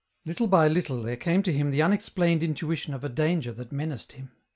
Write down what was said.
Little by little there came to him the unexplamed intui tion of a danger that menaced him.